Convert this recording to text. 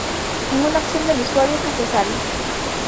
Ninguna acción del usuario es necesaria.